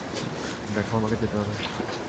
দেখো, আমাকে যেতে হবে।